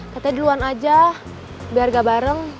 katanya duluan aja biar gak bareng